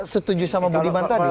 setuju sama budiman tadi